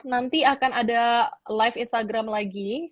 nanti akan ada live instagram lagi